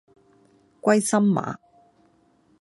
歸心馬